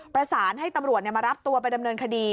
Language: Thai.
ประสานให้ตำรวจมารับตัวไปดำเนินคดี